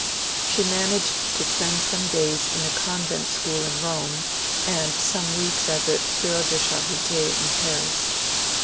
She managed to spend some days in a convent school in Rome, and some weeks as a 'Soeur de Charite' in Paris.